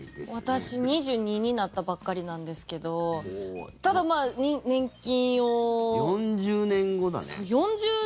私、２２になったばっかりなんですけど４０年後だね。